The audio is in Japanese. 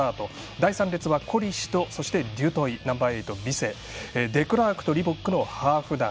第３列はコリシとデュトイナンバーエイト、ビセデクラークとリボックのハーフ団。